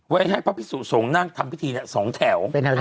ให้พระพิสุสงฆ์นั่งทำพิธี๒แถว